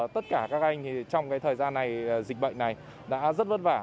tất cả các anh trong thời gian này dịch bệnh này đã rất vất vả